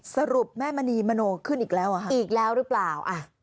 สรุปแม่มณีมโนขึ้นอีกแล้วหรือเปล่า